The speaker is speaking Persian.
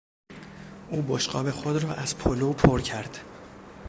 او بشقاب خود را از پلو پر کرد.